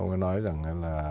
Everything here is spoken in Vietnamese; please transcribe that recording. ông ấy nói rằng là